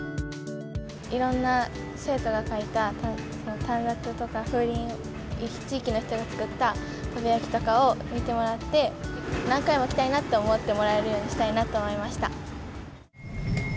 いろんな生徒が書いた短冊とか、風鈴、地域の人が作った砥部焼とかを見てもらって、何回も来たいなと思ってもらえるようにしたいなと思いました。